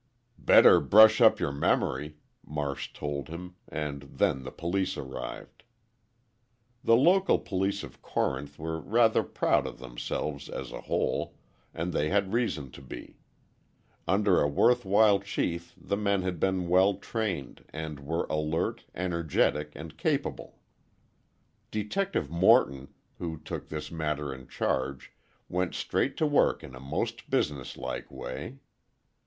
"Better brush up your memory," Marsh told him, and then the police arrived. The local police of Corinth were rather proud of themselves as a whole, and they had reason to be. Under a worthwhile chief the men had been well trained, and were alert, energetic and capable. Detective Morton, who took this matter in charge, went straight to work in a most business like way.